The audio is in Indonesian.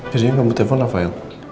jadi kamu telepon rafael